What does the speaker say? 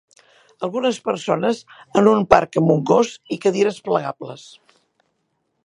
Algunes persones en un parc amb un gos i cadires plegables.